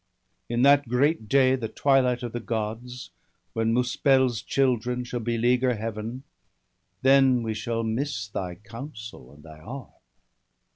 In that great day, the twilight of the Gods, When Muspel's children shall beleaguer Heaven, Then we shall miss thy counsel and thy arm.'